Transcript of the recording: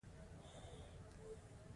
د دې پوځ په راس کې یو ستر فیوډال و.